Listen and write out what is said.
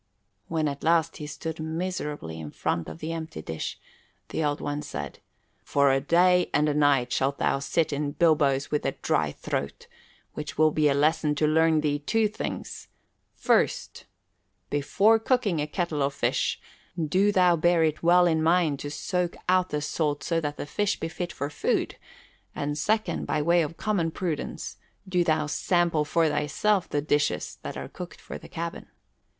When at last he stood miserably in front of the empty dish, the Old One said, "For a day and a night shalt thou sit in bilboes with a dry throat, which will be a lesson to learn thee two things: first, before cooking a kettle of fish, do thou bear it well in mind to soak out the salt so that the fish be fit for food; and second, by way of common prudence, do thou sample for thyself the dishes that are cooked for the cabin."